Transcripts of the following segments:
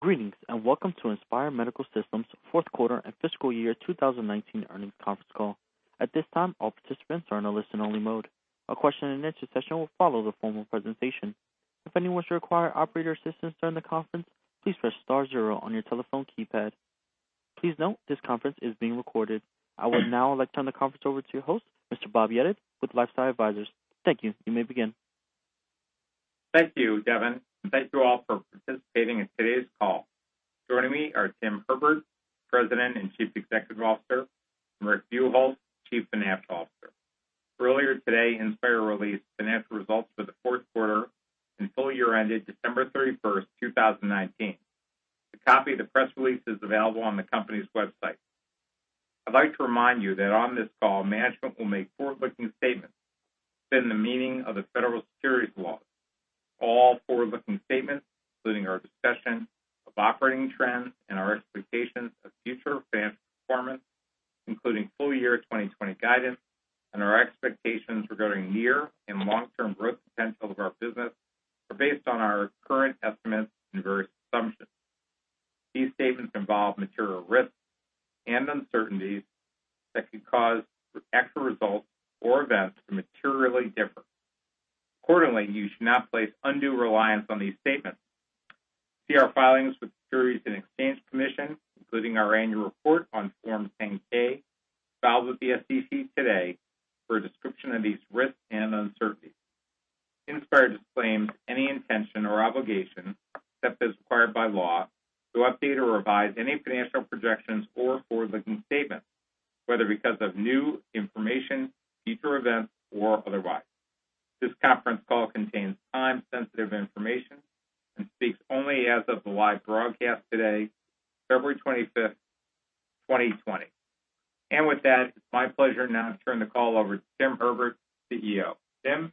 Greetings, and welcome to Inspire Medical Systems' fourth quarter and fiscal year 2019 earnings conference call. At this time, all participants are in a listen-only mode. A question and answer session will follow the formal presentation. If anyone should require operator assistance during the conference, please press star zero on your telephone keypad. Please note this conference is being recorded. I would now like to turn the conference over to your host, Mr. Bob Yedid, with LifeSci Advisors. Thank you. You may begin. Thank you, Devin, and thank you all for participating in today's call. Joining me are Tim Herbert, President and Chief Executive Officer, and Rick Buchholz, Chief Financial Officer. Earlier today, Inspire released financial results for the fourth quarter and full year ended December 31st, 2019. A copy of the press release is available on the company's website. I'd like to remind you that on this call, management will make forward-looking statements within the meaning of the federal securities laws. All forward-looking statements, including our discussion of operating trends and our expectations of future financial performance, including full year 2020 guidance and our expectations regarding near and long-term growth potential of our business, are based on our current estimates and various assumptions. These statements involve material risks and uncertainties that could cause actual results or events to materially differ. Accordingly, you should not place undue reliance on these statements. See our filings with Securities and Exchange Commission, including our annual report on Form 10-K filed with the SEC today, for a description of these risks and uncertainties. Inspire disclaims any intention or obligation, except as required by law, to update or revise any financial projections or forward-looking statements, whether because of new information, future events, or otherwise. This conference call contains time-sensitive information and speaks only as of the live broadcast today, February 25th, 2020. With that, it's my pleasure now to turn the call over to Tim Herbert, CEO. Tim?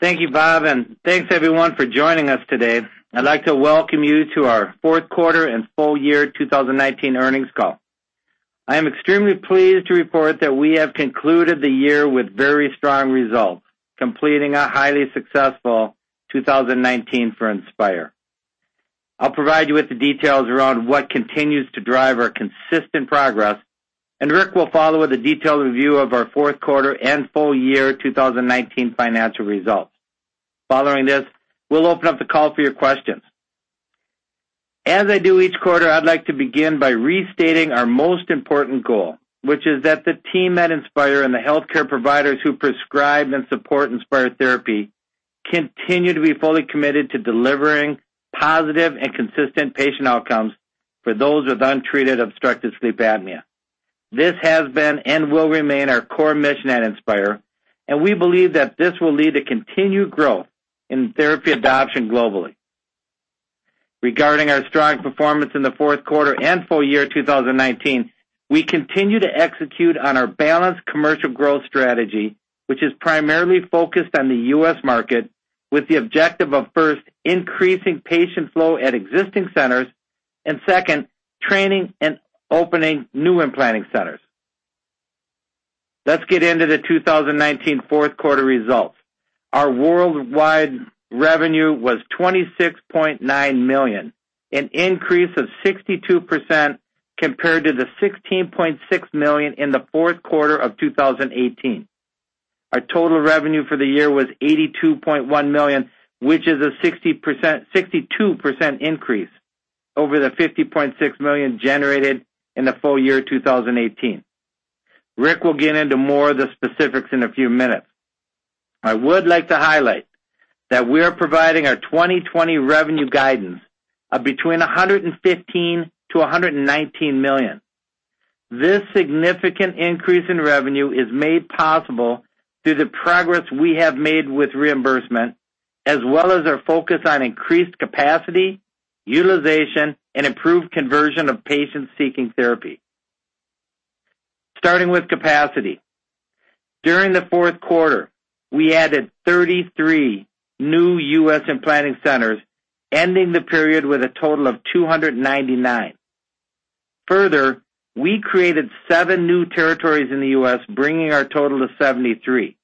Thank you, Bob. Thanks everyone for joining us today. I'd like to welcome you to our fourth quarter and full year 2019 earnings call. I am extremely pleased to report that we have concluded the year with very strong results, completing a highly successful 2019 for Inspire. I'll provide you with the details around what continues to drive our consistent progress, and Rick will follow with a detailed review of our fourth quarter and full year 2019 financial results. Following this, we'll open up the call for your questions. As I do each quarter, I'd like to begin by restating our most important goal, which is that the team at Inspire and the healthcare providers who prescribe and support Inspire therapy continue to be fully committed to delivering positive and consistent patient outcomes for those with untreated obstructive sleep apnea. This has been and will remain our core mission at Inspire, and we believe that this will lead to continued growth in therapy adoption globally. Regarding our strong performance in the fourth quarter and full year 2019, we continue to execute on our balanced commercial growth strategy, which is primarily focused on the U.S. market with the objective of, first, increasing patient flow at existing centers, and second, training and opening new implanting centers. Let's get into the 2019 fourth quarter results. Our worldwide revenue was $26.9 million, an increase of 62% compared to the $16.6 million in the fourth quarter of 2018. Our total revenue for the year was $82.1 million, which is a 62% increase over the $50.6 million generated in the full year 2018. Rick will get into more of the specifics in a few minutes. I would like to highlight that we are providing our 2020 revenue guidance of between $115 million-$119 million. This significant increase in revenue is made possible through the progress we have made with reimbursement, as well as our focus on increased capacity, utilization, and improved conversion of patients seeking therapy. Starting with capacity. During the fourth quarter, we added 33 new U.S. implanting centers, ending the period with a total of 299. Further, we created seven new territories in the U.S., bringing our total to 73.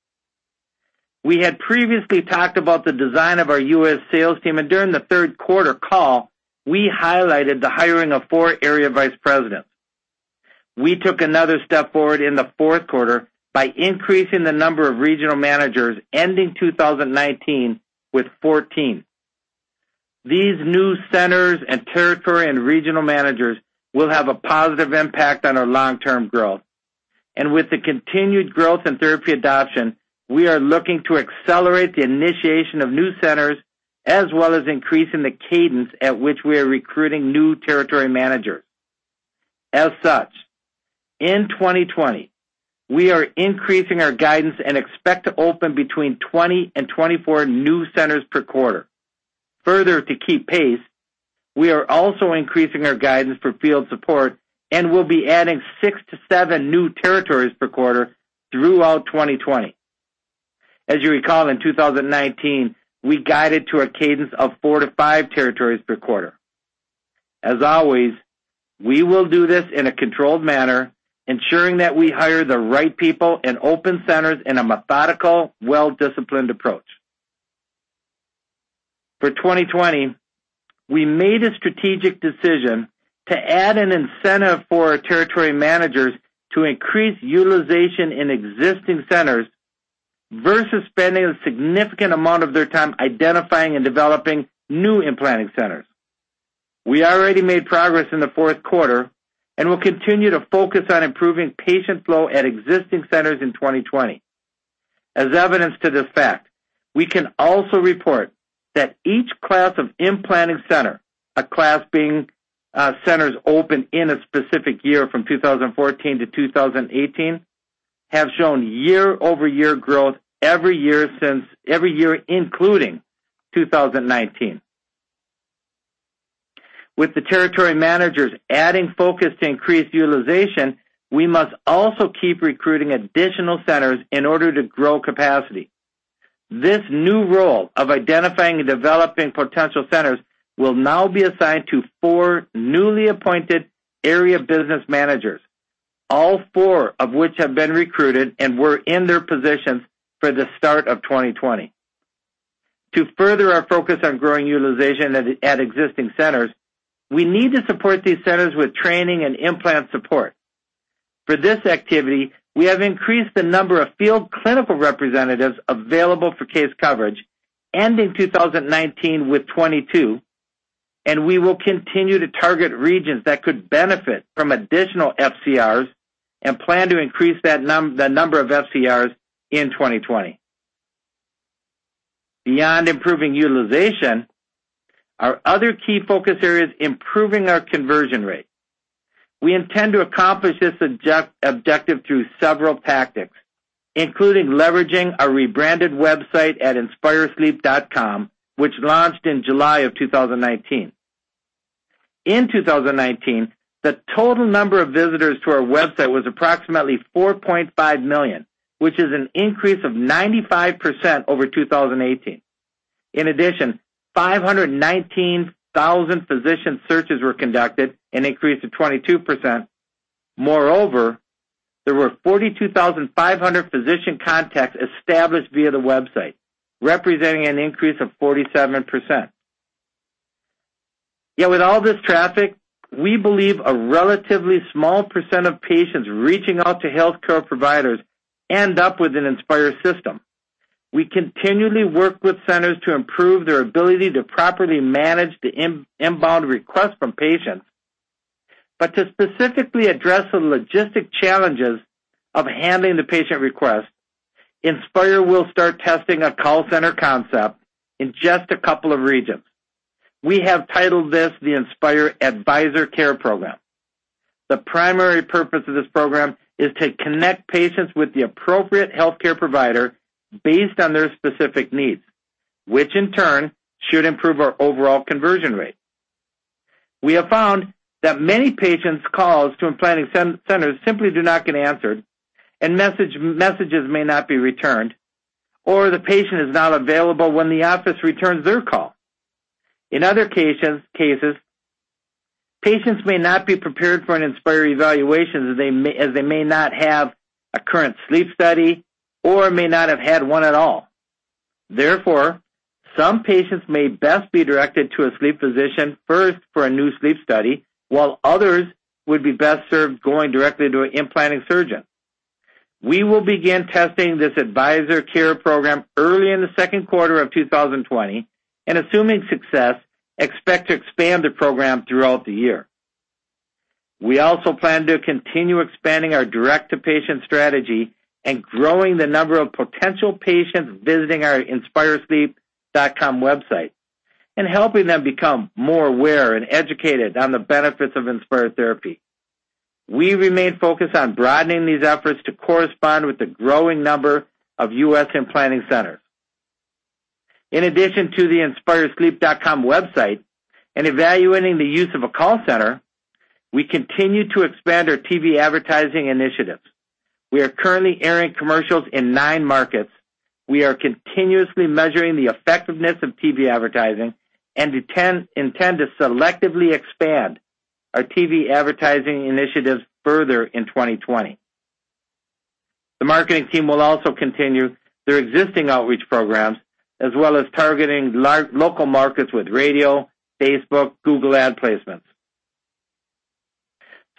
We had previously talked about the design of our U.S. sales team, and during the third quarter call, we highlighted the hiring of four area vice presidents. We took another step forward in the fourth quarter by increasing the number of regional managers, ending 2019 with 14. These new centers and territory and regional managers will have a positive impact on our long-term growth. With the continued growth in therapy adoption, we are looking to accelerate the initiation of new centers, as well as increasing the cadence at which we are recruiting new territory managers. As such, in 2020, we are increasing our guidance and expect to open between 20 and 24 new centers per quarter. Further, to keep pace, we are also increasing our guidance for field support and will be adding six to seven new territories per quarter throughout 2020. As you recall, in 2019, we guided to a cadence of four to five territories per quarter. As always, we will do this in a controlled manner, ensuring that we hire the right people and open centers in a methodical, well-disciplined approach. For 2020, we made a strategic decision to add an incentive for our territory managers to increase utilization in existing centers versus spending a significant amount of their time identifying and developing new implanting centers. We already made progress in the fourth quarter and will continue to focus on improving patient flow at existing centers in 2020. As evidence to this fact, we can also report that each class of implanting center, a class being centers opened in a specific year from 2014 to 2018, have shown year-over-year growth every year including 2019. With the territory managers adding focus to increase utilization, we must also keep recruiting additional centers in order to grow capacity. This new role of identifying and developing potential centers will now be assigned to four newly appointed area business managers, all four of which have been recruited and were in their positions for the start of 2020. To further our focus on growing utilization at existing centers, we need to support these centers with training and implant support. For this activity, we have increased the number of Field Clinical Representatives available for case coverage, ending 2019 with 22, and we will continue to target regions that could benefit from additional FCRs and plan to increase the number of FCRs in 2020. Beyond improving utilization, our other key focus area is improving our conversion rate. We intend to accomplish this objective through several tactics, including leveraging our rebranded website at inspiresleep.com, which launched in July of 2019. In 2019, the total number of visitors to our website was approximately 4.5 million, which is an increase of 95% over 2018. In addition, 519,000 physician searches were conducted, an increase of 22%. Moreover, there were 42,500 physician contacts established via the website, representing an increase of 47%. Yet with all this traffic, we believe a relatively small percent of patients reaching out to healthcare providers end up with an Inspire system. To specifically address the logistic challenges of handling the patient requests, Inspire will start testing a call center concept in just a couple of regions. We have titled this the Inspire Advisor Care Program. The primary purpose of this program is to connect patients with the appropriate healthcare provider based on their specific needs, which in turn should improve our overall conversion rate. We have found that many patients' calls to implanting centers simply do not get answered, and messages may not be returned, or the patient is not available when the office returns their call. In other cases, patients may not be prepared for an Inspire evaluation, as they may not have a current sleep study or may not have had one at all. Therefore, some patients may best be directed to a sleep physician first for a new sleep study, while others would be best served going directly to an implanting surgeon. We will begin testing this Inspire Advisor Care Program early in the second quarter of 2020, and assuming success, expect to expand the program throughout the year. We also plan to continue expanding our direct-to-patient strategy and growing the number of potential patients visiting our inspiresleep.com website and helping them become more aware and educated on the benefits of Inspire therapy. We remain focused on broadening these efforts to correspond with the growing number of U.S. implanting centers. In addition to the inspiresleep.com website and evaluating the use of a call center, we continue to expand our TV advertising initiatives. We are currently airing commercials in nine markets. We are continuously measuring the effectiveness of TV advertising and intend to selectively expand our TV advertising initiatives further in 2020. The marketing team will also continue their existing outreach programs, as well as targeting local markets with radio, Facebook, Google Ad placements.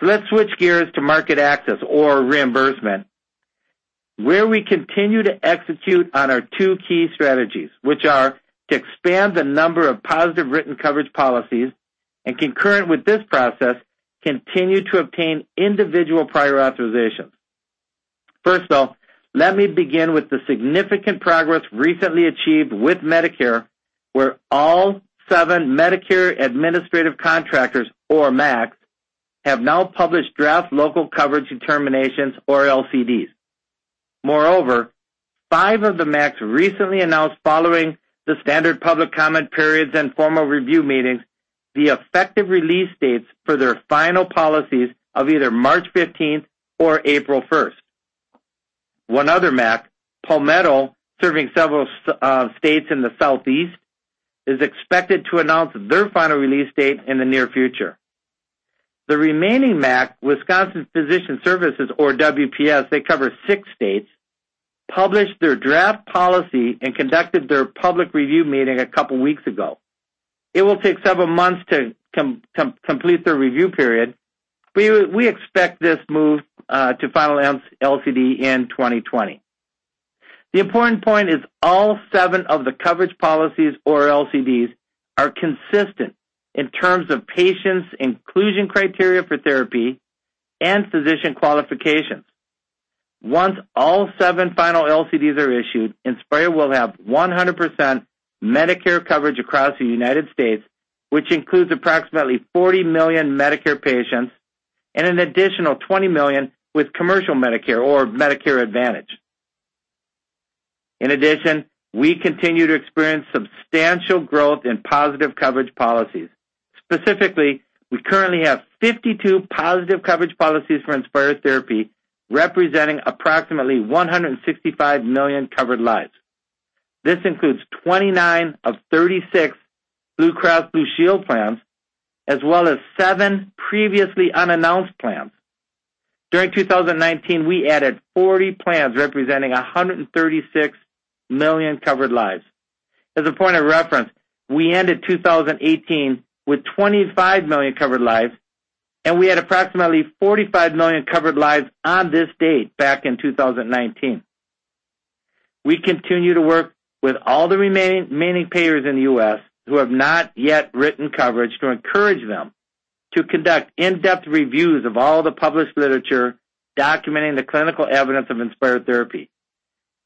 Let's switch gears to market access or reimbursement, where we continue to execute on our two key strategies, which are to expand the number of positive written coverage policies and concurrent with this process, continue to obtain individual prior authorizations. First off, let me begin with the significant progress recently achieved with Medicare, where all seven Medicare Administrative Contractors, or MACs, have now published draft Local Coverage Determinations, or LCDs. Moreover, five of the MACs recently announced following the standard public comment periods and formal review meetings, the effective release dates for their final policies of either March 15th or April 1st. One other MAC, Palmetto, serving several states in the Southeast, is expected to announce their final release date in the near future. The remaining MAC, Wisconsin Physicians Service, or WPS, they cover six states, published their draft policy and conducted their public review meeting a couple of weeks ago. It will take several months to complete their review period. We expect this move to final LCD in 2020. The important point is all seven of the coverage policies or LCDs are consistent in terms of patients' inclusion criteria for Inspire therapy and physician qualifications. Once all seven final LCDs are issued, Inspire will have 100% Medicare coverage across the U.S., which includes approximately 40 million Medicare patients and an additional 20 million with commercial Medicare or Medicare Advantage. We continue to experience substantial growth in positive coverage policies. Specifically, we currently have 52 positive coverage policies for Inspire therapy, representing approximately 165 million covered lives. This includes 29 of 36 Blue Cross Blue Shield plans, as well as seven previously unannounced plans. During 2019, we added 40 plans representing 136 million covered lives. As a point of reference, we ended 2018 with 25 million covered lives, and we had approximately 45 million covered lives on this date back in 2019. We continue to work with all the remaining payers in the U.S. who have not yet written coverage to encourage them to conduct in-depth reviews of all the published literature documenting the clinical evidence of Inspire therapy.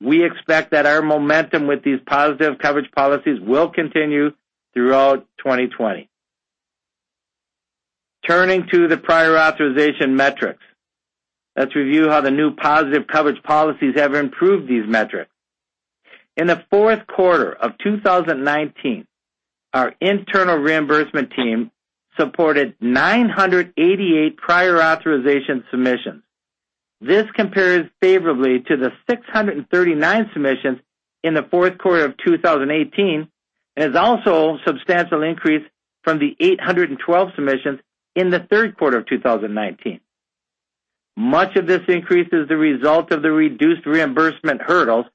We expect that our momentum with these positive coverage policies will continue throughout 2020. Turning to the prior authorization metrics. Let's review how the new positive coverage policies have improved these metrics. In the fourth quarter of 2019, our internal reimbursement team supported 988 prior authorization submissions. This compares favorably to the 639 submissions in the fourth quarter of 2018, and is also a substantial increase from the 812 submissions in the third quarter of 2019. Much of this increase is the result of the reduced reimbursement hurdles,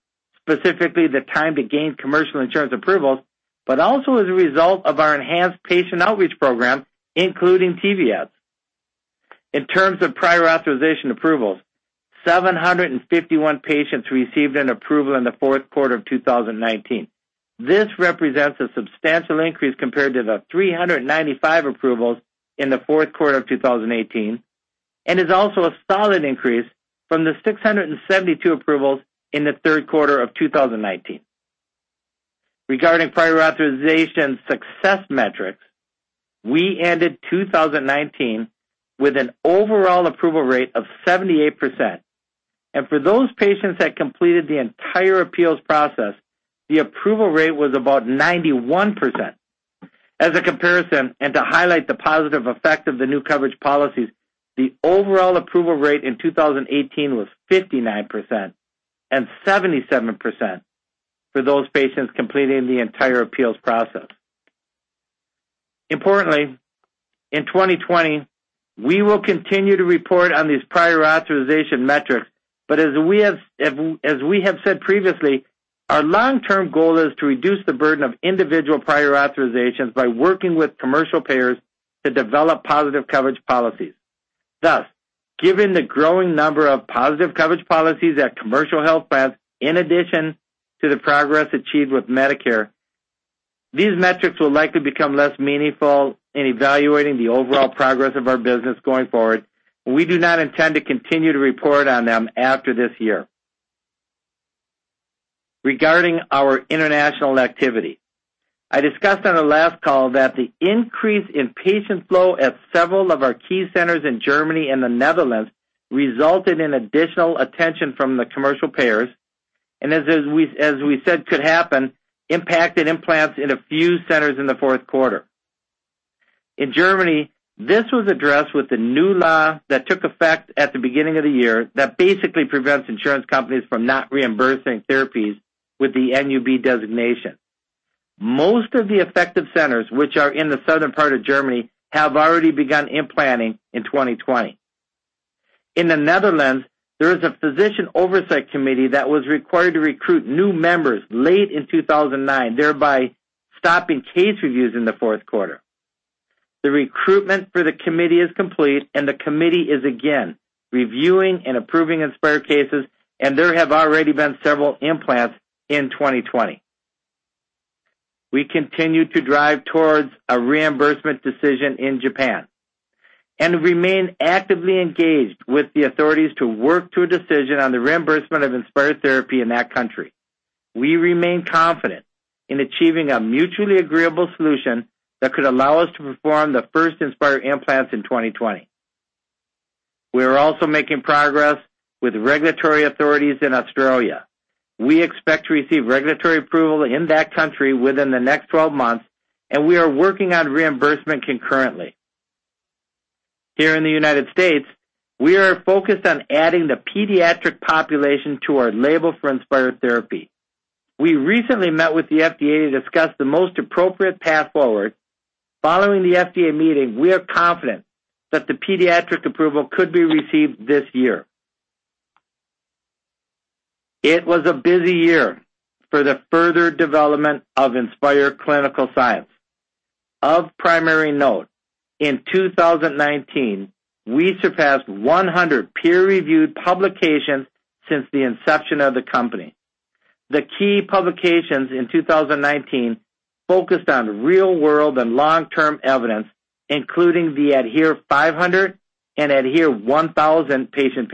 specifically the time to gain commercial insurance approvals, but also as a result of our enhanced patient outreach program, including TV ads. In terms of prior authorization approvals, 751 patients received an approval in the fourth quarter of 2019. This represents a substantial increase compared to the 395 approvals in the fourth quarter of 2018, and is also a solid increase from the 672 approvals in the third quarter of 2019. Regarding prior authorization success metrics, we ended 2019 with an overall approval rate of 78%, and for those patients that completed the entire appeals process, the approval rate was about 91%. As a comparison, and to highlight the positive effect of the new coverage policies, the overall approval rate in 2018 was 59% and 77% for those patients completing the entire appeals process. Importantly, in 2020, we will continue to report on these prior authorization metrics, but as we have said previously, our long-term goal is to reduce the burden of individual prior authorizations by working with commercial payers to develop positive coverage policies. Thus, given the growing number of positive coverage policies at commercial health plans, in addition to the progress achieved with Medicare, these metrics will likely become less meaningful in evaluating the overall progress of our business going forward. We do not intend to continue to report on them after this year. Regarding our international activity, I discussed on our last call that the increase in patient flow at several of our key centers in Germany and the Netherlands resulted in additional attention from the commercial payers, as we said could happen, impacted implants in a few centers in the fourth quarter. In Germany, this was addressed with the new law that took effect at the beginning of the year that basically prevents insurance companies from not reimbursing therapies with the NUB designation. Most of the affected centers, which are in the southern part of Germany, have already begun implanting in 2020. In the Netherlands, there is a physician oversight committee that was required to recruit new members late in 2019, thereby stopping case reviews in the fourth quarter. The recruitment for the committee is complete, and the committee is again reviewing and approving Inspire cases, and there have already been several implants in 2020. We continue to drive towards a reimbursement decision in Japan and remain actively engaged with the authorities to work to a decision on the reimbursement of Inspire therapy in that country. We remain confident in achieving a mutually agreeable solution that could allow us to perform the first Inspire implants in 2020. We are also making progress with regulatory authorities in Australia. We expect to receive regulatory approval in that country within the next 12 months, and we are working on reimbursement concurrently. Here in the United States, we are focused on adding the pediatric population to our label for Inspire therapy. We recently met with the FDA to discuss the most appropriate path forward. Following the FDA meeting, we are confident that the pediatric approval could be received this year. It was a busy year for the further development of Inspire clinical science. Of primary note, in 2019, we surpassed 100 peer-reviewed publications since the inception of the company. The key publications in 2019 focused on real-world and long-term evidence, including the ADHERE 500 and ADHERE 1,000 patient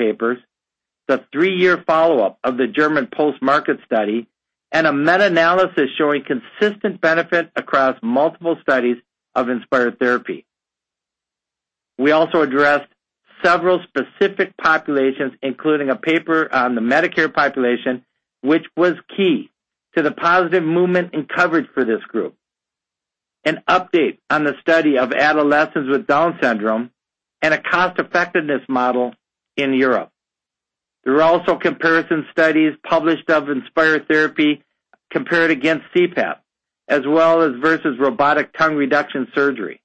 papers, the three-year follow-up of the German post-market study, and a meta-analysis showing consistent benefit across multiple studies of Inspire therapy. We also addressed several specific populations, including a paper on the Medicare population, which was key to the positive movement in coverage for this group, an update on the study of adolescents with Down syndrome, and a cost-effectiveness model in Europe. There were also comparison studies published of Inspire therapy compared against CPAP, as well as versus robotic tongue reduction surgery.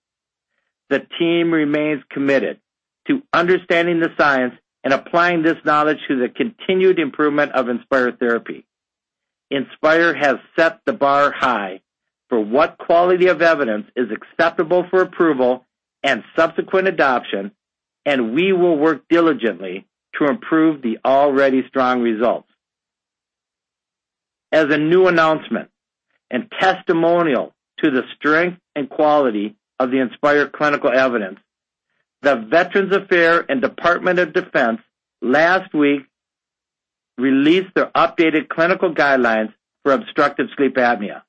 The team remains committed to understanding the science and applying this knowledge to the continued improvement of Inspire therapy. Inspire has set the bar high for what quality of evidence is acceptable for approval and subsequent adoption, and we will work diligently to improve the already strong results. As a new announcement and testimonial to the strength and quality of the Inspire clinical evidence, the Department of Veterans Affairs and Department of Defense last week released their updated clinical guidelines for obstructive sleep apnea.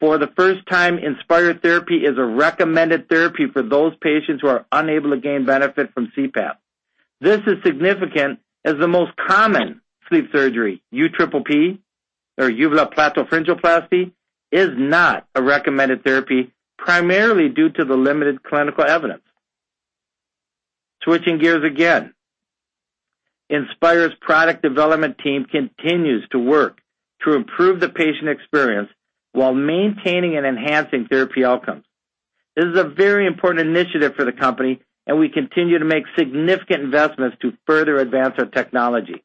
For the first time, Inspire therapy is a recommended therapy for those patients who are unable to gain benefit from CPAP. This is significant, as the most common sleep surgery, UPPP, or uvulopalatopharyngoplasty, is not a recommended therapy, primarily due to the limited clinical evidence. Switching gears again, Inspire's product development team continues to work to improve the patient experience while maintaining and enhancing therapy outcomes. This is a very important initiative for the company, and we continue to make significant investments to further advance our technology.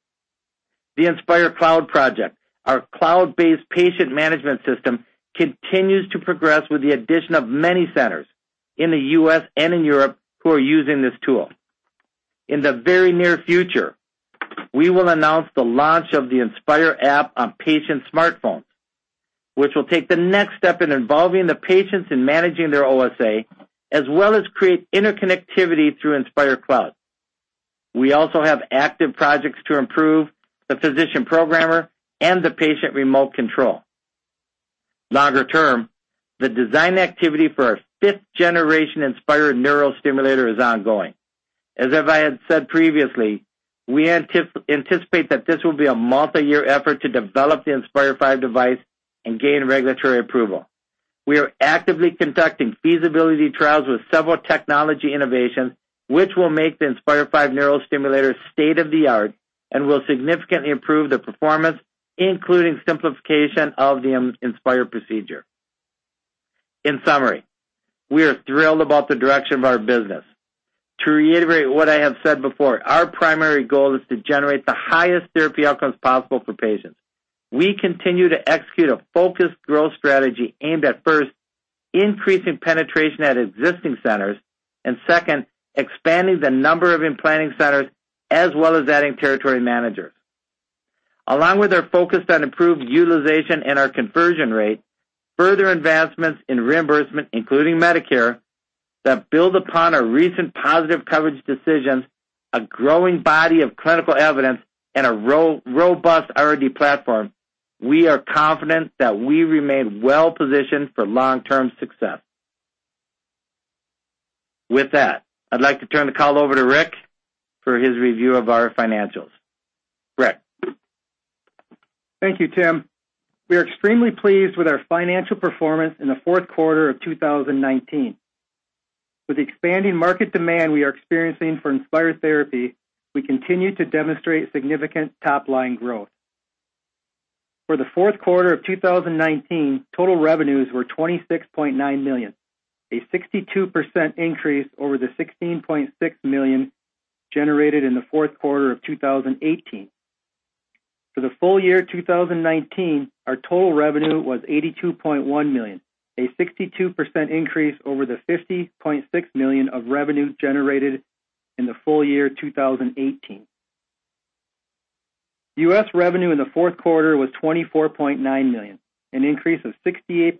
The Inspire Cloud Project, our cloud-based patient management system, continues to progress with the addition of many centers in the U.S. and in Europe who are using this tool. In the very near future, we will announce the launch of the Inspire app on patient smartphones, which will take the next step in involving the patients in managing their OSA, as well as create interconnectivity through Inspire Cloud. We also have active projects to improve the physician programmer and the patient remote control. Longer term, the design activity for our fifth-generation Inspire neurostimulator is ongoing. As I had said previously, we anticipate that this will be a multi-year effort to develop the Inspire V device and gain regulatory approval. We are actively conducting feasibility trials with several technology innovations, which will make the Inspire V neurostimulator state-of-the-art and will significantly improve the performance, including simplification of the Inspire procedure. In summary, we are thrilled about the direction of our business. To reiterate what I have said before, our primary goal is to generate the highest therapy outcomes possible for patients. We continue to execute a focused growth strategy aimed at, first, increasing penetration at existing centers, and second, expanding the number of implanting centers as well as adding territory managers. Along with our focus on improved utilization and our conversion rate, further advancements in reimbursement, including Medicare, that build upon our recent positive coverage decisions, a growing body of clinical evidence and a robust R&D platform, we are confident that we remain well-positioned for long-term success. With that, I'd like to turn the call over to Rick for his review of our financials. Rick? Thank you, Tim. We are extremely pleased with our financial performance in the fourth quarter of 2019. With the expanding market demand we are experiencing for Inspire therapy, we continue to demonstrate significant top-line growth. For the fourth quarter of 2019, total revenues were $26.9 million, a 62% increase over the $16.6 million generated in the fourth quarter of 2018. For the full year 2019, our total revenue was $82.1 million, a 62% increase over the $50.6 million of revenue generated in the full year 2018. U.S. revenue in the fourth quarter was $24.9 million, an increase of 68%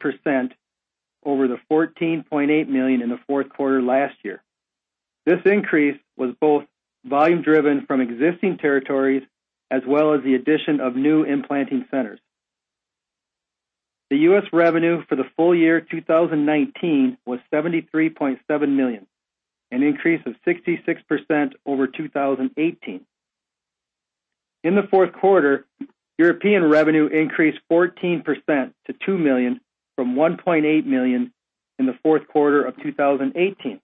over the $14.8 million in the fourth quarter last year. This increase was both volume driven from existing territories as well as the addition of new implanting centers. The U.S. revenue for the full year 2019 was $73.7 million, an increase of 66% over 2018. In the fourth quarter, European revenue increased 14% to $2 million from $1.8 million in the fourth quarter of 2018.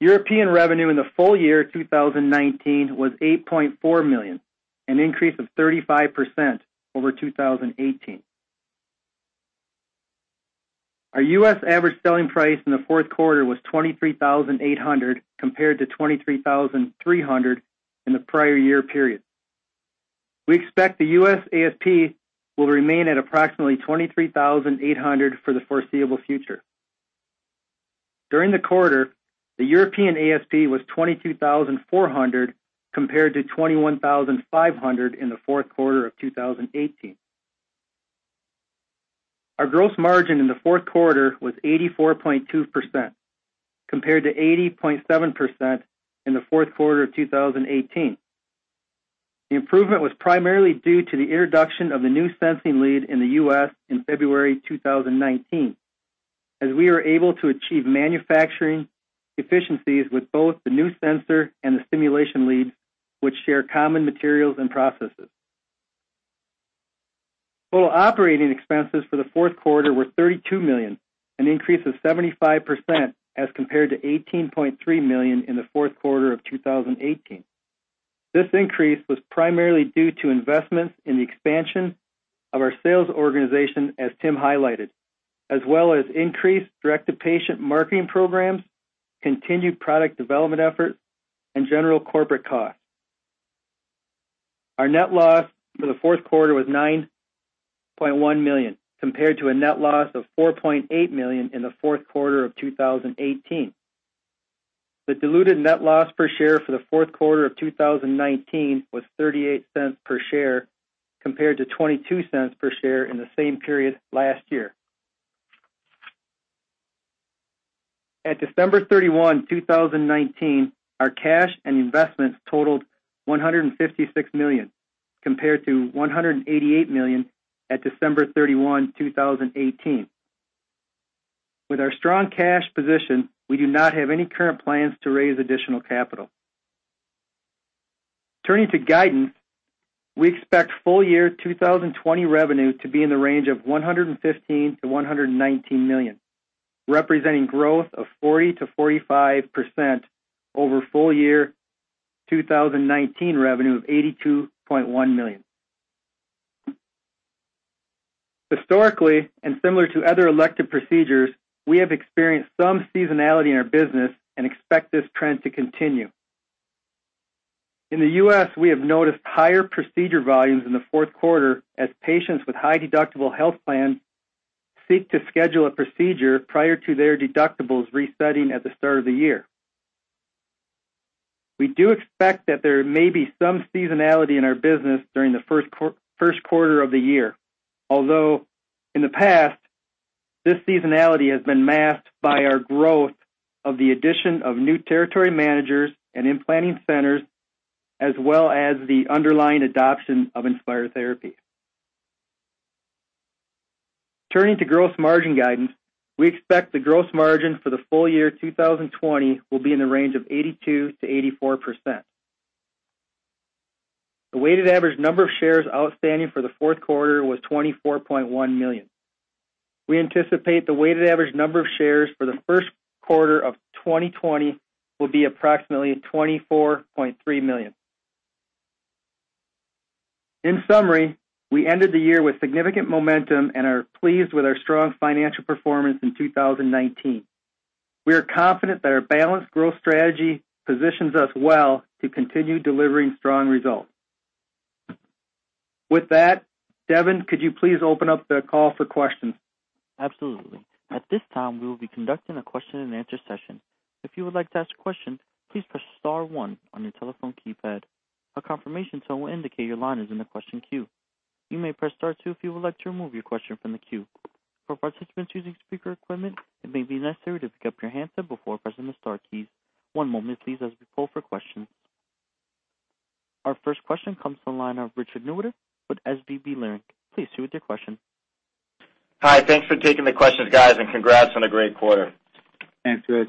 European revenue in the full year 2019 was $8.4 million, an increase of 35% over 2018. Our U.S. average selling price in the fourth quarter was $23,800, compared to $23,300 in the prior year period. We expect the U.S. ASP will remain at approximately $23,800 for the foreseeable future. During the quarter, the European ASP was $22,400, compared to $21,500 in the fourth quarter of 2018. Our gross margin in the fourth quarter was 84.2%, compared to 80.7% in the fourth quarter of 2018. The improvement was primarily due to the introduction of the new sensing lead in the U.S. in February 2019, as we were able to achieve manufacturing efficiencies with both the new sensor and the stimulation lead, which share common materials and processes. Total operating expenses for the fourth quarter were $32 million, an increase of 75% as compared to $18.3 million in the fourth quarter of 2018. This increase was primarily due to investments in the expansion of our sales organization, as Tim highlighted, as well as increased direct-to-patient marketing programs, continued product development efforts, and general corporate costs. Our net loss for the fourth quarter was $9.1 million, compared to a net loss of $4.8 million in the fourth quarter of 2018. The diluted net loss per share for the fourth quarter of 2019 was $0.38 per share, compared to $0.22 per share in the same period last year. At December 31, 2019, our cash and investments totaled $156 million, compared to $188 million at December 31, 2018. With our strong cash position, we do not have any current plans to raise additional capital. Turning to guidance, we expect full year 2020 revenue to be in the range of $115 million-$119 million, representing growth of 40%-45% over full year 2019 revenue of $82.1 million. Similar to other elective procedures, we have experienced some seasonality in our business and expect this trend to continue. In the U.S., we have noticed higher procedure volumes in the fourth quarter as patients with high deductible health plans seek to schedule a procedure prior to their deductibles resetting at the start of the year. We do expect that there may be some seasonality in our business during the first quarter of the year, although in the past, this seasonality has been masked by our growth of the addition of new territory managers and implanting centers, as well as the underlying adoption of Inspire therapy. Turning to gross margin guidance, we expect the gross margin for the full year 2020 will be in the range of 82%-84%. The weighted average number of shares outstanding for the fourth quarter was 24.1 million. We anticipate the weighted average number of shares for the first quarter of 2020 will be approximately 24.3 million. In summary, we ended the year with significant momentum and are pleased with our strong financial performance in 2019. We are confident that our balanced growth strategy positions us well to continue delivering strong results. With that, Devin, could you please open up the call for questions? Absolutely. At this time, we will be conducting a question and answer session. If you would like to ask a question, please press star one on your telephone keypad. A confirmation tone will indicate your line is in the question queue. You may press star two if you would like to remove your question from the queue. For participants using speaker equipment, it may be necessary to pick up your handset before pressing the star keys. One moment please, as we poll for questions. Our first question comes from the line of Richard Newitter with SVB Leerink. Please proceed with your question. Hi. Thanks for taking the questions, guys, and congrats on a great quarter. Thanks, Rich.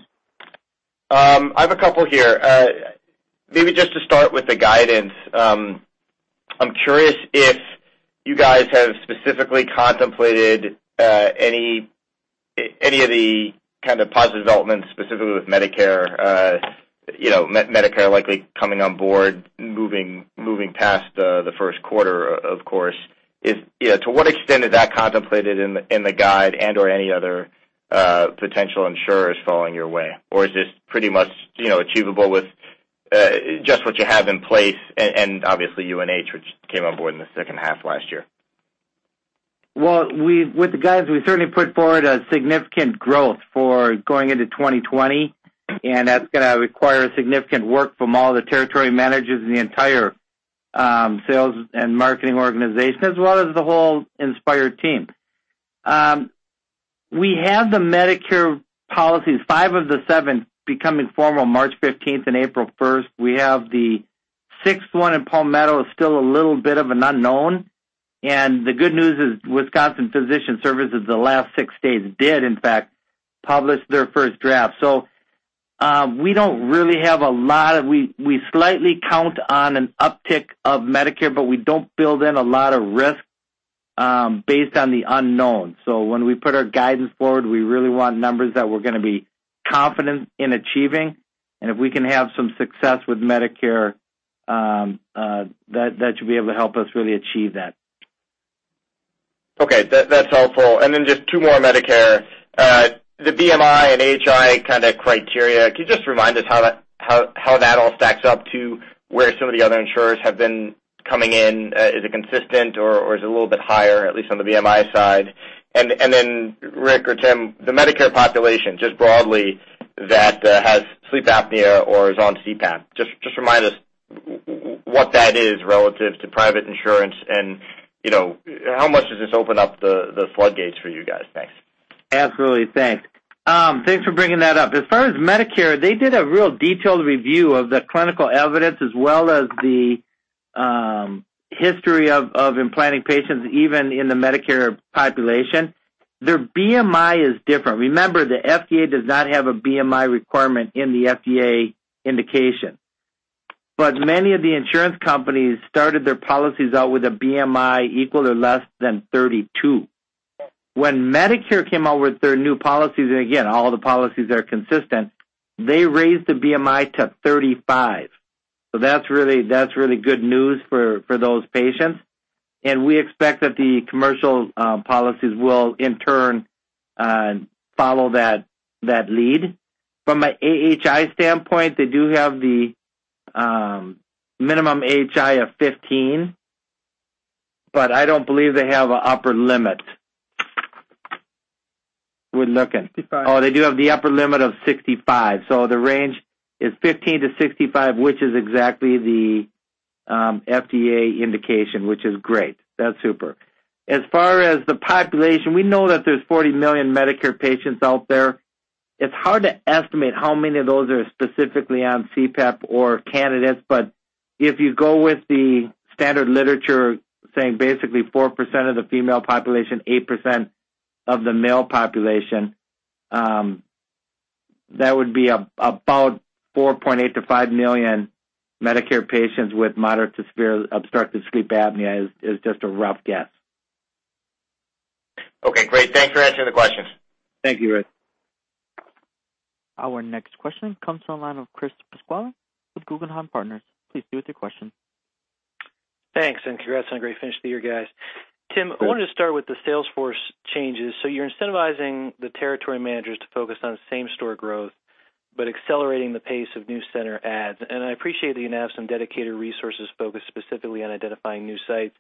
I have a couple here. Maybe just to start with the guidance. I'm curious if you guys have specifically contemplated any of the kind of positive developments, specifically with Medicare likely coming on board, moving past the first quarter, of course. To what extent is that contemplated in the guide and/or any other potential insurers following your way? Is this pretty much achievable with just what you have in place and obviously UNH, which came on board in the second half last year? With the guides, we certainly put forward a significant growth for going into 2020, and that's going to require significant work from all the territory managers and the entire sales and marketing organization, as well as the whole Inspire team. We have the Medicare policies, five of the seven becoming formal March 15th and April 1st. We have the sixth one in Palmetto is still a little bit of an unknown. The good news is Wisconsin Physicians Service, the last six states, did, in fact- publish their first draft. We slightly count on an uptick of Medicare, but we don't build in a lot of risk based on the unknown. When we put our guidance forward, we really want numbers that we're going to be confident in achieving, and if we can have some success with Medicare, that should be able to help us really achieve that. Okay. That's helpful. Just two more Medicare. The BMI and AHI kind of criteria, can you just remind us how that all stacks up to where some of the other insurers have been coming in? Is it consistent or is it a little bit higher, at least on the BMI side? Rick or Tim, the Medicare population, just broadly, that has sleep apnea or is on CPAP. Just remind us what that is relative to private insurance, and how much does this open up the floodgates for you guys? Thanks. Absolutely. Thanks. Thanks for bringing that up. As far as Medicare, they did a real detailed review of the clinical evidence as well as the history of implanting patients, even in the Medicare population. Their BMI is different. Remember, the FDA does not have a BMI requirement in the FDA indication. Many of the insurance companies started their policies out with a BMI equal to or less than 32. When Medicare came out with their new policies, and again, all the policies are consistent, they raised the BMI to 35. That's really good news for those patients. We expect that the commercial policies will, in turn, follow that lead. From an AHI standpoint, they do have the minimum AHI of 15, but I don't believe they have an upper limit. We're looking. 65. They do have the upper limit of 65. The range is 15 to 65, which is exactly the FDA indication, which is great. That's super. As far as the population, we know that there's 40 million Medicare patients out there. It's hard to estimate how many of those are specifically on CPAP or candidates, if you go with the standard literature saying basically 4% of the female population, 8% of the male population, that would be about 4.8 million to 5 million Medicare patients with moderate to severe obstructive sleep apnea is just a rough guess. Okay, great. Thanks for answering the questions. Thank you, Rick. Our next question comes from the line of Chris Pasquale with Guggenheim Partners. Please proceed with your question. Thanks, congrats on a great finish to the year, guys. Thanks. Tim, I wanted to start with the sales force changes. You're incentivizing the territory managers to focus on same-store growth, but accelerating the pace of new center adds. I appreciate that you now have some dedicated resources focused specifically on identifying new sites.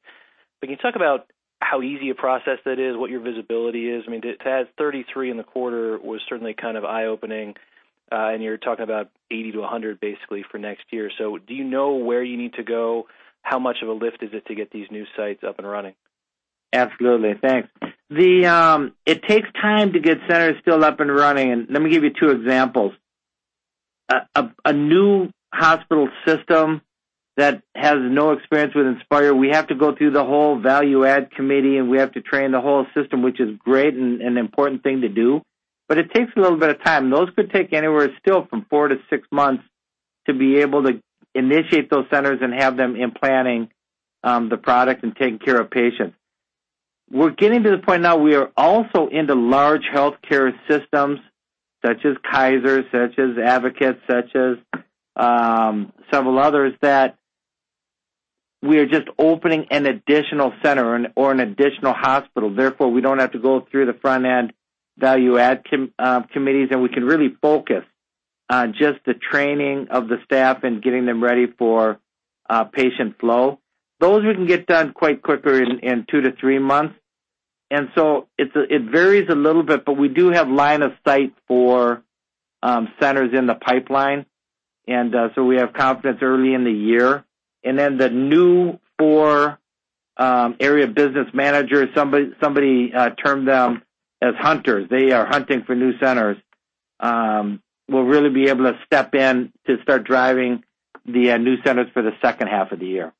Can you talk about how easy a process that is, what your visibility is? I mean, to add 33 in the quarter was certainly kind of eye-opening. You're talking about 80-100 basically for next year. Do you know where you need to go? How much of a lift is it to get these new sites up and running? Absolutely. Thanks. It takes time to get centers still up and running. Let me give you two examples. A new hospital system that has no experience with Inspire, we have to go through the whole value add committee. We have to train the whole system, which is great and an important thing to do. It takes a little bit of time. Those could take anywhere still from four to six months to be able to initiate those centers and have them implanting the product and taking care of patients. We're getting to the point now we are also into large healthcare systems such as Kaiser, such as Advocate, such as several others, that we are just opening an additional center or an additional hospital. We don't have to go through the front-end value add committees, and we can really focus on just the training of the staff and getting them ready for patient flow. Those we can get done quite quicker in two to three months. It varies a little bit, but we do have line of sight for centers in the pipeline. We have confidence early in the year. The new four area business managers, somebody termed them as hunters. They are hunting for new centers. We'll really be able to step in to start driving the new centers for the second half of the year.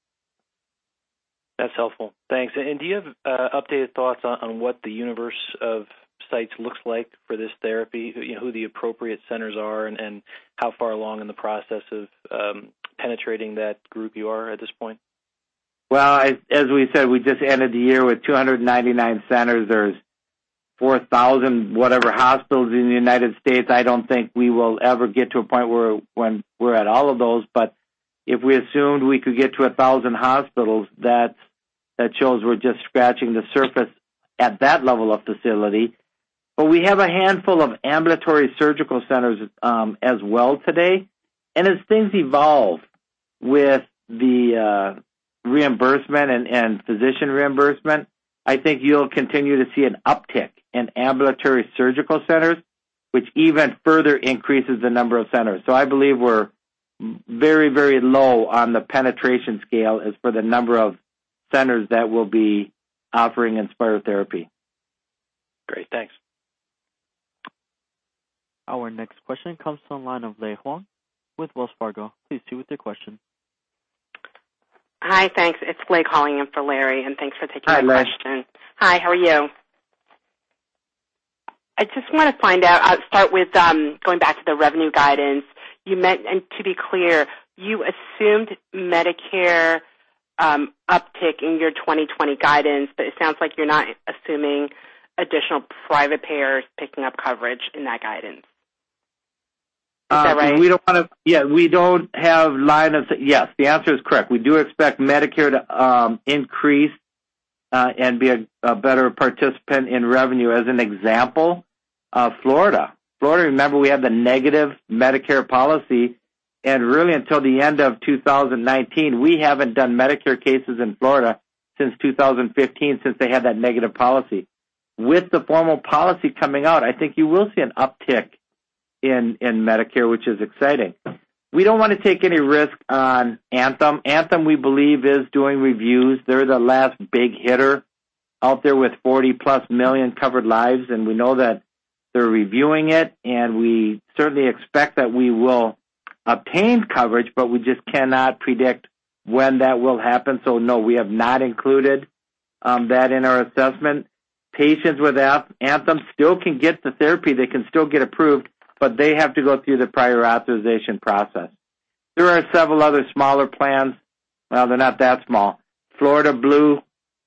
That's helpful. Thanks. Do you have updated thoughts on what the universe of sites looks like for this therapy? Who the appropriate centers are, and how far along in the process of penetrating that group you are at this point? Well, as we said, we just ended the year with 299 centers. There's 4,000, whatever, hospitals in the United States. I don't think we will ever get to a point where when we're at all of those. If we assumed we could get to 1,000 hospitals, that shows we're just scratching the surface at that level of facility. We have a handful of ambulatory surgical centers as well today. As things evolve with the reimbursement and physician reimbursement, I think you'll continue to see an uptick in ambulatory surgical centers, which even further increases the number of centers. I believe we're very low on the penetration scale as for the number of centers that will be offering Inspire therapy. Great. Thanks. Our next question comes from the line of Lei Huang with Wells Fargo. Please proceed with your question. Hi. Thanks. It's Lei calling in for Larry. Thanks for taking my question. Hi, Lei. Hi, how are you? I just want to find out, I'll start with going back to the revenue guidance. To be clear, you assumed Medicare uptick in your 2020 guidance, but it sounds like you're not assuming additional private payers picking up coverage in that guidance. Is that right? Yes. The answer is correct. We do expect Medicare to increase and be a better participant in revenue. As an example, Florida. Florida, remember, we had the negative Medicare policy, and really until the end of 2019, we haven't done Medicare cases in Florida since 2015, since they had that negative policy. With the formal policy coming out, I think you will see an uptick in Medicare, which is exciting. We don't want to take any risk on Anthem. Anthem, we believe, is doing reviews. They're the last big hitter out there with 40+ million covered lives, and we know that they're reviewing it, and we certainly expect that we will obtain coverage, but we just cannot predict when that will happen. No, we have not included that in our assessment. Patients with Anthem still can get the therapy. They can still get approved, but they have to go through the prior authorization process. There are several other smaller plans. Well, they're not that small. Florida Blue,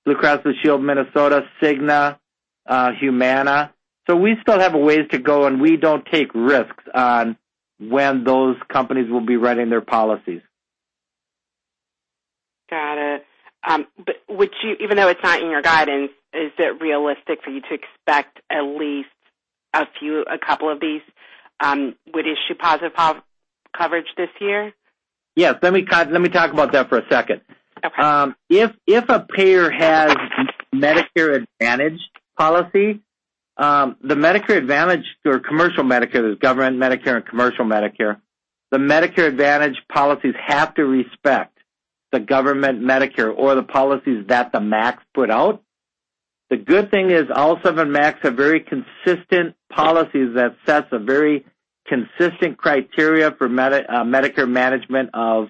Blue Cross and Blue Shield of Minnesota, Cigna, Humana. We still have a ways to go, and we don't take risks on when those companies will be writing their policies. Got it. Even though it's not in your guidance, is it realistic for you to expect at least a few, a couple of these would issue positive coverage this year? Yes. Let me talk about that for a second. Okay. If a payer has Medicare Advantage policy, there's government Medicare and commercial Medicare. The Medicare Advantage policies have to respect the government Medicare or the policies that the MACs put out. The good thing is all seven MACs have very consistent policies that sets a very consistent criteria for Medicare management of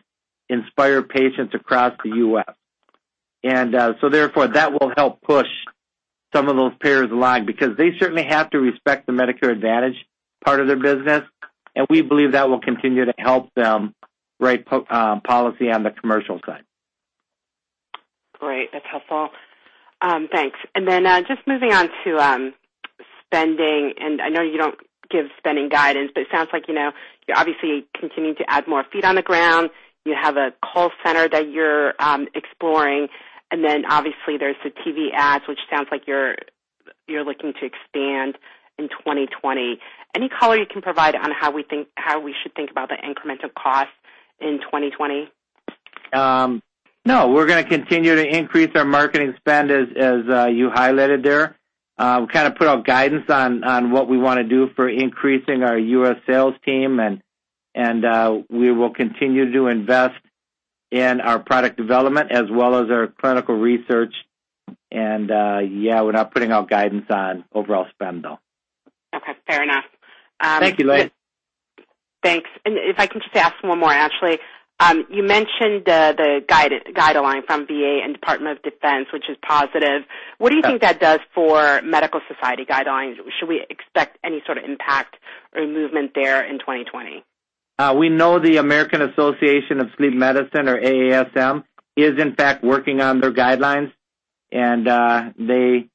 Inspire patients across the U.S. That will help push some of those payers along because they certainly have to respect the Medicare Advantage part of their business, and we believe that will continue to help them write policy on the commercial side. Great. That's helpful. Thanks. Just moving on to spending, and I know you don't give spending guidance, but it sounds like you're obviously continuing to add more feet on the ground. You have a call center that you're exploring. Obviously there's the TV ads, which sounds like you're looking to expand in 2020. Any color you can provide on how we should think about the incremental cost in 2020? No. We're going to continue to increase our marketing spend as you highlighted there. We kind of put out guidance on what we want to do for increasing our U.S. sales team. We will continue to invest in our product development as well as our clinical research. Yeah, we're not putting out guidance on overall spend, though. Okay. Fair enough. Thank you, Lei. Thanks. If I can just ask one more, actually. You mentioned the guideline from VA and Department of Defense, which is positive. Yeah. What do you think that does for medical society guidelines? Should we expect any sort of impact or movement there in 2020? We know the American Academy of Sleep Medicine, or AASM, is in fact working on their guidelines. I'd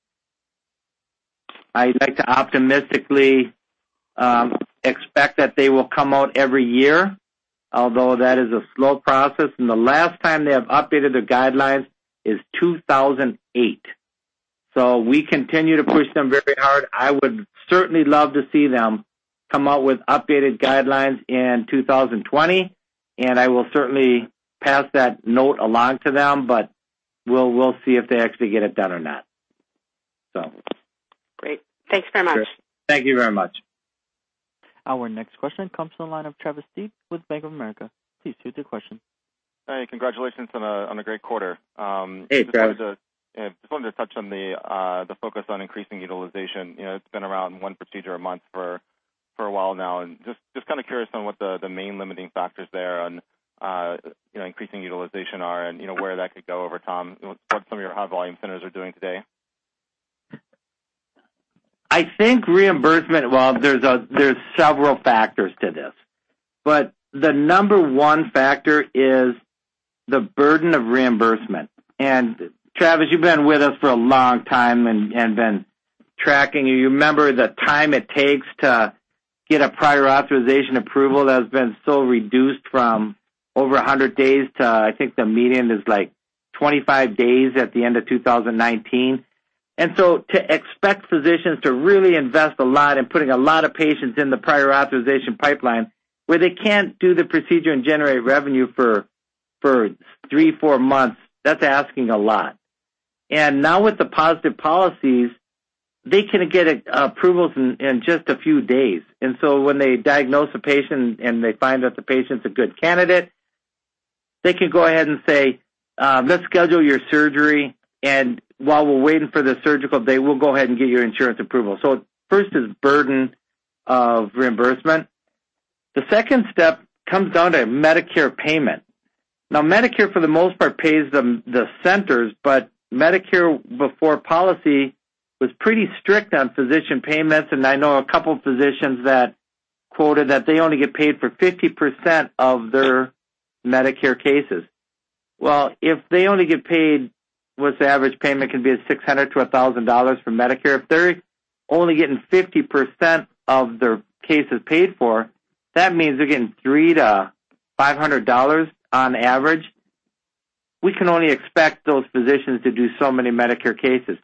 like to optimistically expect that they will come out every year, although that is a slow process. The last time they have updated their guidelines is 2008. We continue to push them very hard. I would certainly love to see them come out with updated guidelines in 2020, and I will certainly pass that note along to them, but we'll see if they actually get it done or not. Great. Thanks very much. Sure. Thank you very much. Our next question comes from the line of Travis Steed with Bank of America. Please proceed with your question. Hi. Congratulations on a great quarter. Hey, Travis. Just wanted to touch on the focus on increasing utilization. It's been around one procedure a month for a while now. Just kind of curious on what the main limiting factors there on increasing utilization are and where that could go over time, what some of your high-volume centers are doing today. Well, there's several factors to this. The number one factor is the burden of reimbursement. Travis, you've been with us for a long time and been tracking. You remember the time it takes to get a prior authorization approval that has been so reduced from over 100 days to, I think the median is, like, 25 days at the end of 2019. To expect physicians to really invest a lot in putting a lot of patients in the prior authorization pipeline where they can't do the procedure and generate revenue for three, four months, that's asking a lot. Now with the positive policies, they can get approvals in just a few days. When they diagnose a patient and they find that the patient's a good candidate, they can go ahead and say, "Let's schedule your surgery, and while we're waiting for the surgical day, we'll go ahead and get your insurance approval." First is burden of reimbursement. The second step comes down to Medicare payment. Medicare, for the most part, pays the centers, but Medicare before policy was pretty strict on physician payments, and I know a couple physicians that quoted that they only get paid for 50% of their Medicare cases. If they only get paid, what's the average payment can be $600-$1,000 from Medicare. If they're only getting 50% of their cases paid for, that means they're getting $300-$500 on average. We can only expect those physicians to do so many Medicare cases.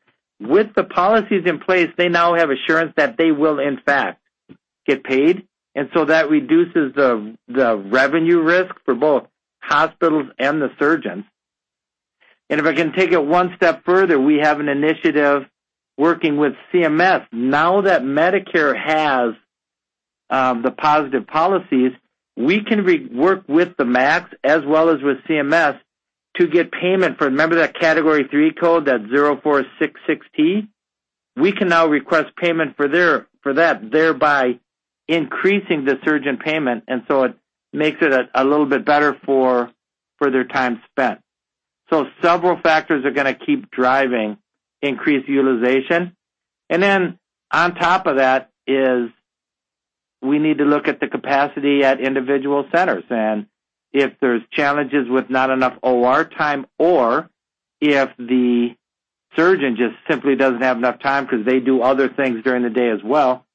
With the policies in place, they now have assurance that they will in fact get paid, and so that reduces the revenue risk for both hospitals and the surgeons. If I can take it one step further, we have an initiative working with CMS. Now that Medicare has the positive policies, we can work with the MACs as well as with CMS to get payment for, remember that Category III code, that 0466T? We can now request payment for that, thereby increasing the surgeon payment, and so it makes it a little bit better for their time spent. Several factors are going to keep driving increased utilization. On top of that is we need to look at the capacity at individual centers. If there's challenges with not enough OR time, or if the surgeon just simply doesn't have enough time because they do other things during the day as well,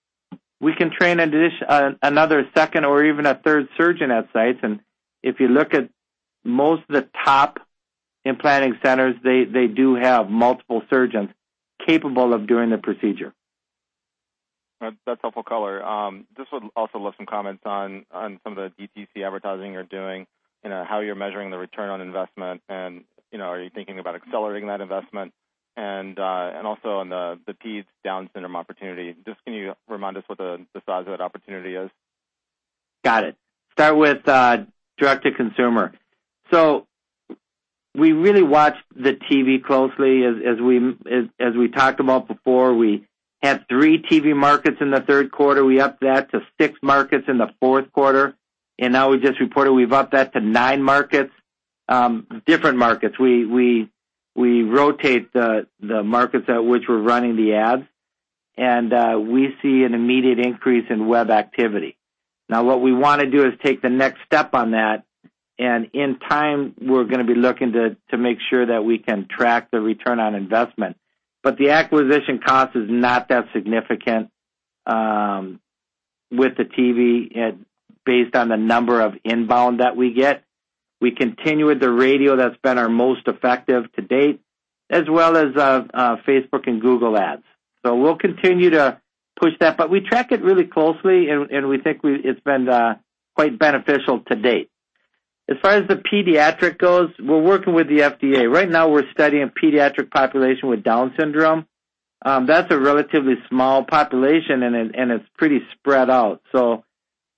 we can train another second or even a third surgeon at sites. If you look at most of the top implanting centers, they do have multiple surgeons capable of doing the procedure. That's helpful color. Just would also love some comments on some of the DTC advertising you're doing, how you're measuring the return on investment, and are you thinking about accelerating that investment? And also on the peds Down syndrome opportunity. Just can you remind us what the size of that opportunity is? Got it. Start with direct to consumer. We really watch the TV closely. As we talked about before, we had three TV markets in the third quarter. We upped that to six markets in the fourth quarter. Now we just reported we've upped that to nine markets, different markets. We rotate the markets at which we're running the ads, and we see an immediate increase in web activity. Now, what we want to do is take the next step on that, and in time, we're going to be looking to make sure that we can track the return on investment. The acquisition cost is not that significant with the TV based on the number of inbound that we get. We continue with the radio that's been our most effective to date, as well as Facebook and Google Ads. We'll continue to push that. We track it really closely, and we think it's been quite beneficial to date. As far as the pediatric goes, we're working with the FDA. Right now, we're studying pediatric population with Down syndrome. That's a relatively small population, and it's pretty spread out.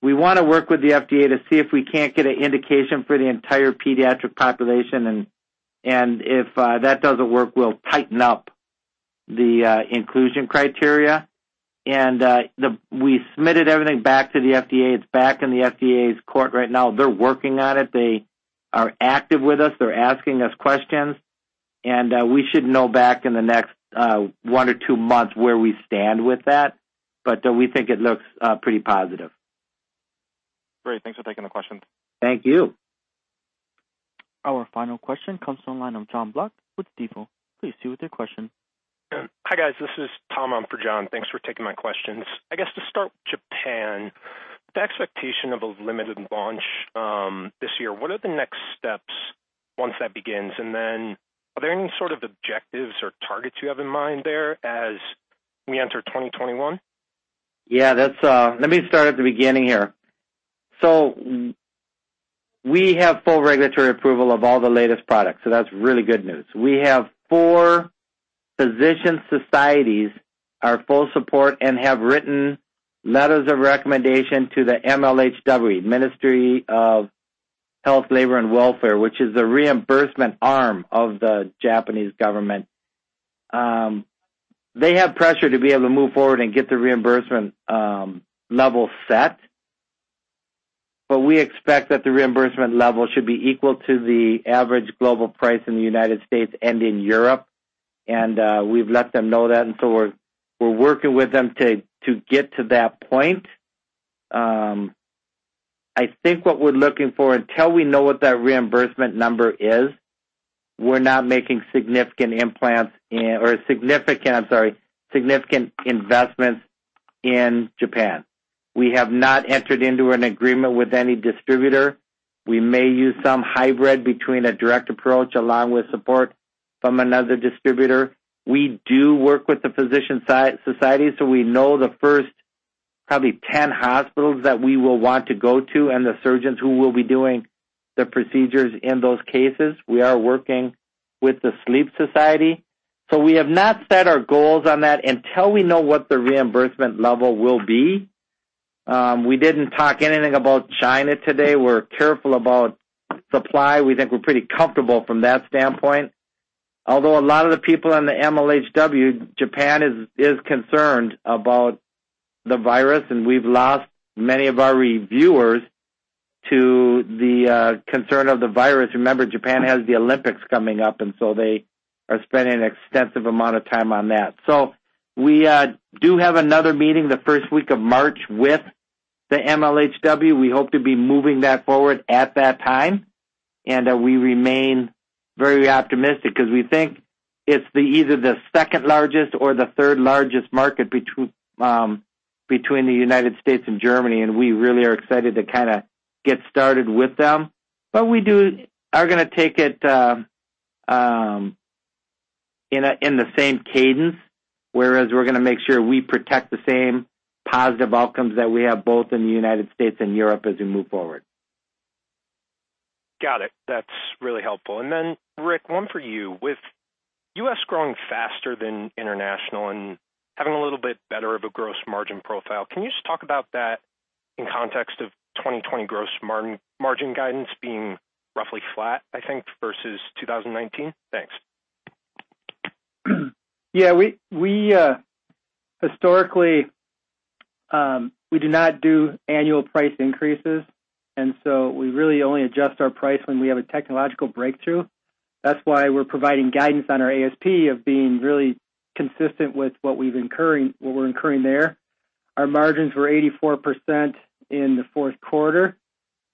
We want to work with the FDA to see if we can't get an indication for the entire pediatric population, and if that doesn't work, we'll tighten up the inclusion criteria. We submitted everything back to the FDA. It's back in the FDA's court right now. They're working on it. They are active with us. They're asking us questions, and we should know back in the next one to two months where we stand with that. We think it looks pretty positive. Great. Thanks for taking the question. Thank you. Our final question comes from the line of Jon Block with Stifel. Please proceed with your question. Hi, guys. This is Tom on for Jon. Thanks for taking my questions. I guess to start with Japan, the expectation of a limited launch this year, what are the next steps once that begins? Are there any sort of objectives or targets you have in mind there as we enter 2021? Yeah. Let me start at the beginning here. We have full regulatory approval of all the latest products, so that's really good news. We have four physician societies, our full support, and have written letters of recommendation to the MHLW, Ministry of Health, Labour and Welfare, which is the reimbursement arm of the Japanese government. They have pressure to be able to move forward and get the reimbursement level set. We expect that the reimbursement level should be equal to the average global price in the U.S. and in Europe. We've let them know that, and so we're working with them to get to that point. I think what we're looking for, until we know what that reimbursement number is, we're not making significant implants in or, I'm sorry, significant investments in Japan. We have not entered into an agreement with any distributor. We may use some hybrid between a direct approach along with support from another distributor. We do work with the physician society, so we know the first probably 10 hospitals that we will want to go to and the surgeons who will be doing the procedures in those cases. We are working with the Sleep Society. We have not set our goals on that until we know what the reimbursement level will be. We didn't talk anything about China today. We're careful about supply. We think we're pretty comfortable from that standpoint. Although a lot of the people on the MHLW, Japan is concerned about the virus, and we've lost many of our reviewers to the concern of the virus. Remember, Japan has the Olympics coming up, and so they are spending an extensive amount of time on that. We do have another meeting the first week of March with the MHLW. We hope to be moving that forward at that time. We remain very optimistic because we think it's either the second largest or the third largest market between the United States and Germany, and we really are excited to kind of get started with them. We are going to take it in the same cadence, whereas we're going to make sure we protect the same positive outcomes that we have both in the United States and Europe as we move forward. Got it. That's really helpful. Rick, one for you. With U.S. growing faster than international and having a little bit better of a gross margin profile, can you just talk about that in context of 2020 gross margin guidance being roughly flat, I think, versus 2019? Thanks. Historically, we do not do annual price increases. We really only adjust our price when we have a technological breakthrough. That's why we're providing guidance on our ASP of being really consistent with what we're incurring there. Our margins were 84% in the fourth quarter.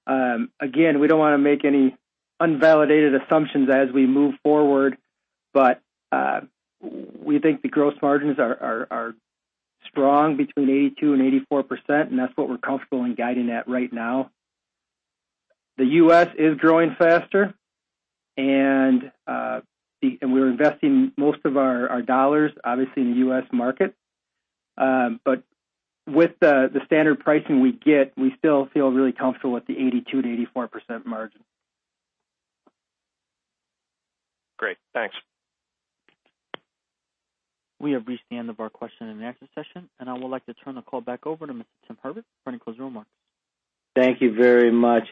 Again, we don't want to make any unvalidated assumptions as we move forward. We think the gross margins are strong between 82% and 84%, and that's what we're comfortable in guiding at right now. The U.S. is growing faster. We're investing most of our dollars, obviously, in the U.S. market. With the standard pricing we get, we still feel really comfortable with the 82%-84% margin. Great. Thanks. We have reached the end of our question and answer session, and I would like to turn the call back over to Mr. Tim Herbert for any closing remarks. Thank you very much.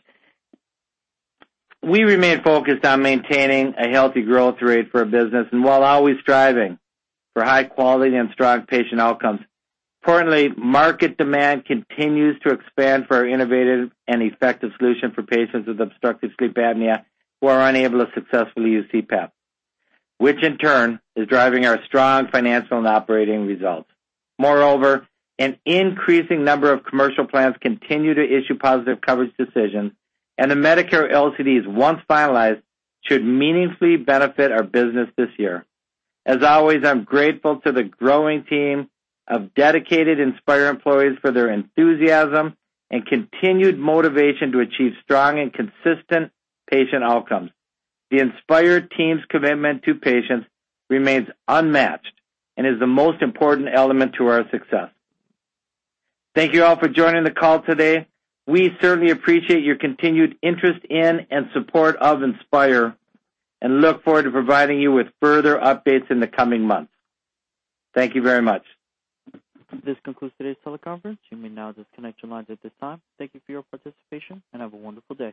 We remain focused on maintaining a healthy growth rate for our business and while always striving for high quality and strong patient outcomes. Currently, market demand continues to expand for our innovative and effective solution for patients with obstructive sleep apnea who are unable to successfully use CPAP. Which in turn is driving our strong financial and operating results. Moreover, an increasing number of commercial plans continue to issue positive coverage decisions, and the Medicare LCDs, once finalized, should meaningfully benefit our business this year. As always, I'm grateful to the growing team of dedicated Inspire employees for their enthusiasm and continued motivation to achieve strong and consistent patient outcomes. The Inspire team's commitment to patients remains unmatched and is the most important element to our success. Thank you all for joining the call today. We certainly appreciate your continued interest in and support of Inspire and look forward to providing you with further updates in the coming months. Thank you very much. This concludes today's teleconference. You may now disconnect your lines at this time. Thank you for your participation, and have a wonderful day.